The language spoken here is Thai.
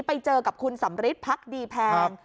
ไปเจอกับคุณสำริทพักดีแพง